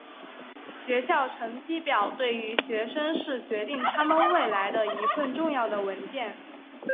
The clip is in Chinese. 学校成绩表对于学生是决定他们未来的一份重要的文件。